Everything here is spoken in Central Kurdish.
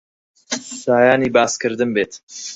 شایانی باسکردن بێت